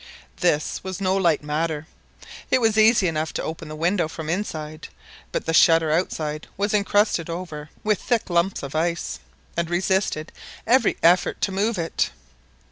This was no light matter. It was easy enough to open the window from inside, but the shutter outside was encrusted over with thick lumps of ice, and resisted every effort to move it.